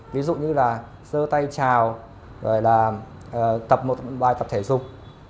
ví dụ như là sơ tay trào rồi là tập một bài tập thể dục